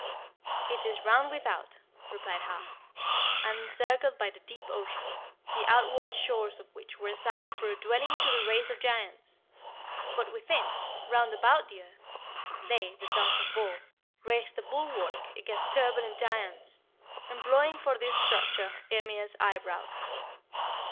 "It is round without," replied Har, "and encircled by the deep ocean, the outward shores of which were assigned for a dwelling to the race of giants. But within, round about the earth, they (the sons of Bor) raised a bulwark against turbulent giants, employing for this structure Ymir's eyebrows.